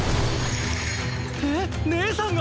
えっねえさんが！？